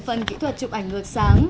phần kỹ thuật chụp ảnh ngược sáng